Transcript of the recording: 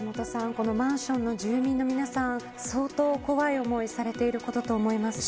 このマンションの住民の皆さん相当怖い思いされていることと思います。